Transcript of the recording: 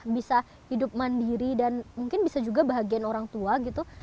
bisa hidup mandiri dan mungkin bisa juga bahagian orang tua gitu